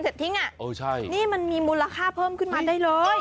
นี่มันมีมูลค่าเพิ่มขึ้นมาได้เลย